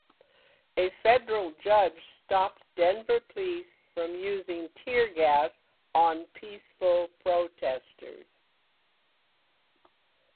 A federal judge stopped Denver police from using teargas on peaceful protesters.